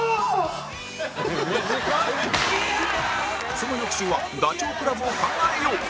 その翌週はダチョウ倶楽部を考えよう